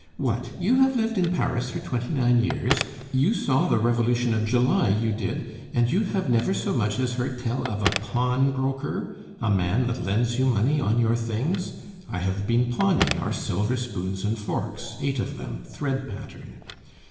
What! you have lived in Paris for twenty nine years; you saw the Revolution of July, you did, and you have never so much as heard tell of a pawnbroker a man that lends you money on your things? I have been pawning our silver spoons and forks, eight of them, thread pattern.